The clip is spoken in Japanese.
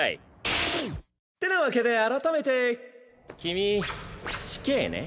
ザザッってなわけで改めて君死刑ね。